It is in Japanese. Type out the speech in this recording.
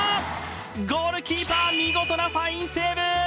ゴールキーパー、見事なファインセーブ！